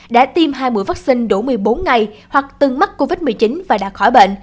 đã tiêm hai mũi vaccine đủ một mươi bốn ngày hoặc từng mắc covid một mươi chín và đã khỏi bệnh